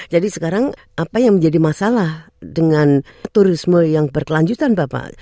jadi sekarang apa yang menjadi masalah dengan turisme yang berkelanjutan bapak